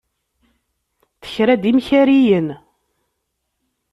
Tekra-d imkariyen.